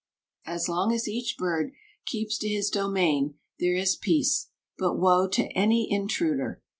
As long as each bird keeps to his domain there is peace, but woe to any intruder!